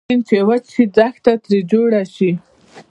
سیند چې وچ شي دښته تري جوړه شي